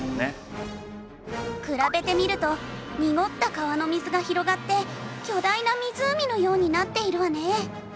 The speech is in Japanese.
比べてみると濁った川の水が広がって巨大な湖のようになっているわね。